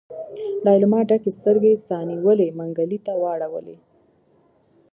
ليلما ډکې سترګې سا نيولي منګلي ته واړولې.